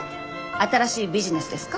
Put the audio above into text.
新しいビジネスですか？